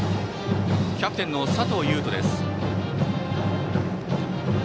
キャプテンの佐藤悠斗です。